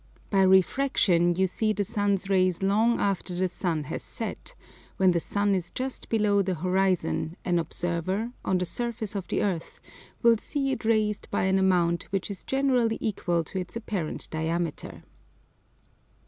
By refraction you see the sun's rays long after the sun has set; when the sun is just below the horizon, an observer, on the surface of the earth, will see it raised by an amount which is generally equal to its apparent diameter.